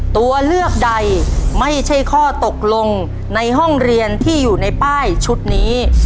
ตัวเลือกใดไม่ใช่ข้อตกลงในห้องเรียนที่อยู่ในป้ายชุดนี้